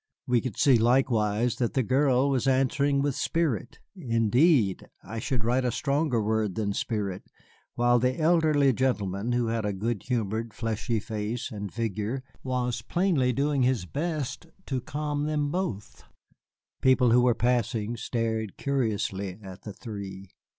We could see, likewise, that the girl was answering with spirit, indeed, I should write a stronger word than spirit, while the elderly gentleman, who had a good humored, fleshy face and figure, was plainly doing his best to calm them both. People who were passing stared curiously at the three.